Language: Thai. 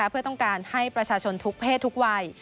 เพื่อต้องการให้ประชาชนทุกเพศทุกวัย